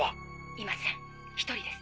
いません１人です。